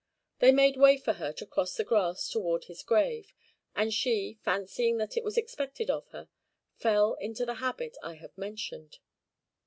They made way for her to cross the grass toward his grave; and she, fancying that it was expected of her, fell into the habit I have mentioned.